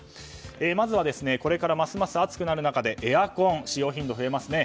まずはこれからますます暑くなる中でエアコンの使用頻度が増えますね。